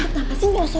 lo kenapa ketawa